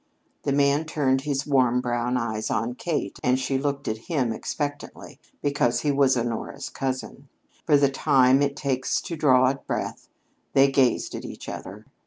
The man turned his warm brown eyes on Kate and she looked at him expectantly, because he was Honora's cousin. For the time it takes to draw a breath, they gazed at each other.